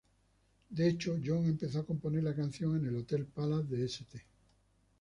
De hecho, John empezó a componer la canción en el Hotel Palace de St.